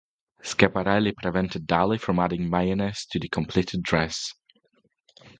Schiaparelli prevented Dali from adding mayonnaise to the completed dress.